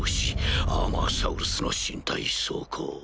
アーマーサウルスの「身体装甲」。